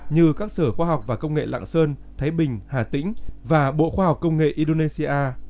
như các sở khoa học và công nghệ lạng sơn thái bình hà tĩnh và bộ khoa học công nghệ indonesia